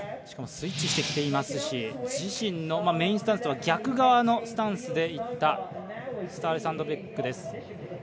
しかもスイッチしてきていますし自身のスタンスとは逆側のスタンスでいったスターレ・サンドベックです。